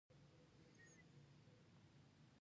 هډوکي جوړښت ساتي.